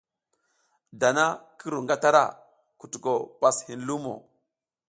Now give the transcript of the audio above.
Dana ki ru ngatara, kutuko pas hin lumo.